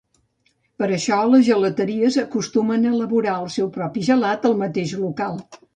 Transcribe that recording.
Per això les gelateries acostumen a elaborar el seu propi gelat al mateix local.